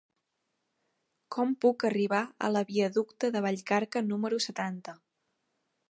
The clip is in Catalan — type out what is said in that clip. Com puc arribar a la viaducte de Vallcarca número setanta?